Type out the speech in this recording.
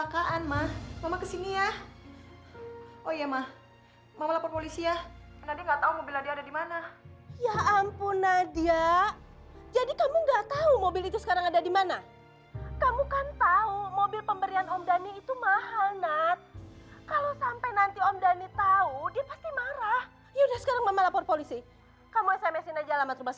kok kurang seribu